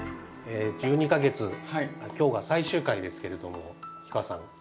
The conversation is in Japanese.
１２か月今日が最終回ですけれども氷川さん